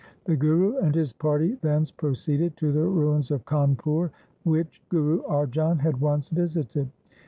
The Guru and his party thence proceeded to the ruins of Khanpur which Guru Arjan had once visited.